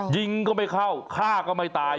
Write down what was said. ยิงก็ไม่เข้าฆ่าก็ไม่ตาย